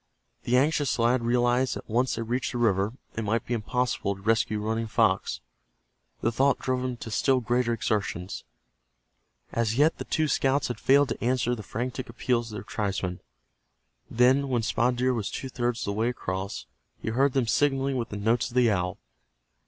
The anxious lad realized that once they reached the river it might be impossible to rescue Running Fox. The thought drove him to still greater exertions. As yet the two scouts had failed to answer the frantic appeals of their tribesman. Then, when Spotted Deer was two thirds of the way across, he heard them signaling with the notes of the owl.